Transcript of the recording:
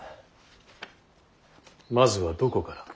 まずはどこから。